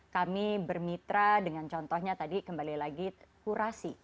kami bermitra dengan contohnya tadi kembali lagi kurasi